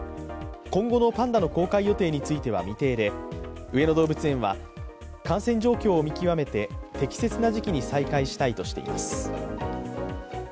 今後のパンダの公開予定については未定で上野動物園は感染状況を見極めて適切な時期に再開したいとしています。